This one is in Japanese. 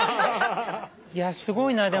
いやすごいなでも。